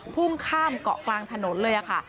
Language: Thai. พุ่งข้ามเกาะกลางถนนเลยค่ะ